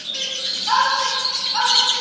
په لقمان اعتبار نسته په درمان اعتبار نسته !.